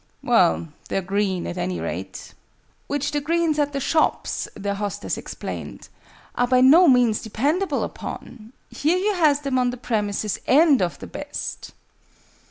"Well, they're green, at any rate." "Which the greens at the shops," their hostess explained, "are by no means dependable upon. Here you has them on the premises, and of the best."